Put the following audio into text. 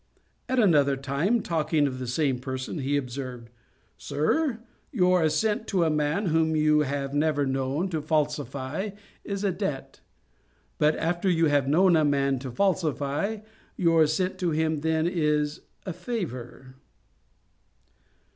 ' At another time, talking of the same person, he observed, 'Sir, your assent to a man whom you have never known to falsify, is a debt: but after you have known a man to falsify, your assent to him then is a favour.'